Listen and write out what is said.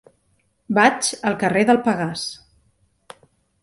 Vaig al carrer del Pegàs.